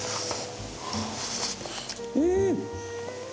うん！